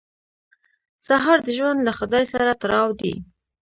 سهار د ژوند له خدای سره تړاو دی.